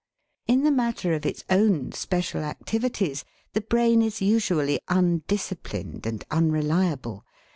In the matter of its own special activities the brain is usually undisciplined and unreliable.